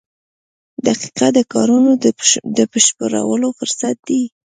• دقیقه د کارونو د بشپړولو فرصت دی.